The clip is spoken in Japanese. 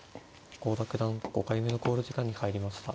郷田九段５回目の考慮時間に入りました。